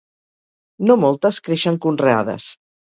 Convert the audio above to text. No moltes creixen conreades.